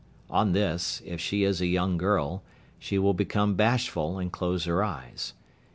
On this, if she is a young girl, she will become bashful and close her eyes.